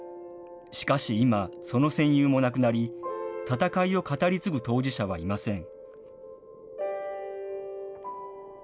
しかし今、その戦友も亡くなり、戦いを語り継ぐ当事者はいません。